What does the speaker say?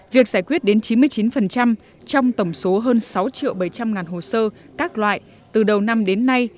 việc giải quyết đến chín mươi chín trong tổng số hơn sáu triệu bảy trăm linh hồ sơ các loại từ đầu năm đến nay